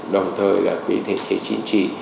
đồng thời là cái thể chế chính trị